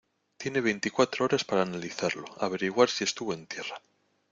tiene veinticuatro horas para analizarlo, averiguar si estuvo en tierra